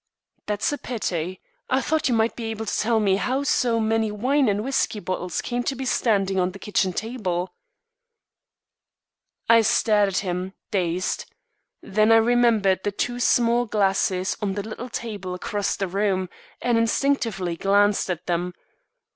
"That's a pity. I thought you might be able to tell me how so many wine and whiskey bottles came to be standing on the kitchen table." I stared at him, dazed. Then I remembered the two small glasses on the little table across the room, and instinctively glanced at them.